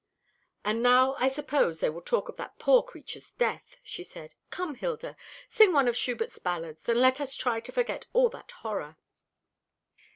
"And now, I suppose, they will talk of that poor creature's death," she said. "Come, Hilda, sing one of Schubert's ballads, and let us try to forget all that horror."